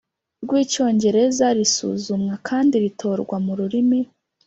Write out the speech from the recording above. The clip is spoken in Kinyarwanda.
rw Icyongereza risuzumwa kandi ritorwa mu rurimi